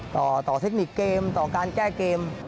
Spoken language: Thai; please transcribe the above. ต่อเทคนิคเกมต่อการแก้เกม